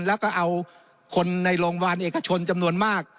แล้วก็เอาคนในโรงพยาบาลเอกชนจำนวนมาก